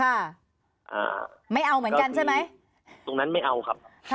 อ่าไม่เอาเหมือนกันใช่ไหมตรงนั้นไม่เอาครับค่ะ